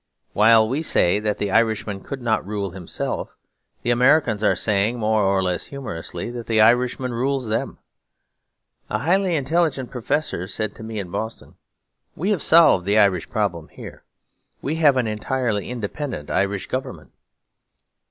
While we say that the Irishman could not rule himself, the Americans are saying, more or less humorously, that the Irishman rules them. A highly intelligent professor said to me in Boston, 'We have solved the Irish problem here; we have an entirely independent Irish Government.'